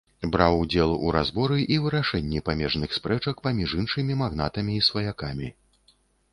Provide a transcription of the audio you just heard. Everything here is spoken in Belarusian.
Браў удзел у разборы і вырашэнні памежных спрэчак паміж іншымі магнатамі і сваякамі.